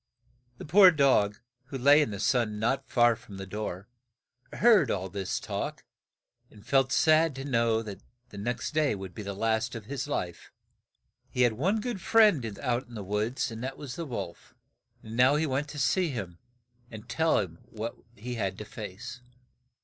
The poor dog, who lay in the sun not far from the door, heard all this talk, and felt sad to know that the next day would be the last of his life. He had one good friend out in the woods, and that was the wolf; and now he went to see him and tell him what he had to face.